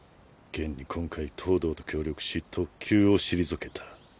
現に今回東堂と協力し特級を退けた。